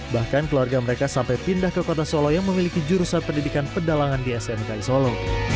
bahkan keluarga mereka sampai pindah ke kota solo yang memiliki jurusan pendidikan pedalangan di smki solo